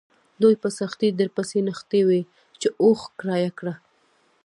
دوی په سختۍ درپسې نښتي وي چې اوښ کرایه کړه.